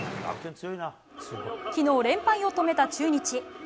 きのう、連敗を止めた中日。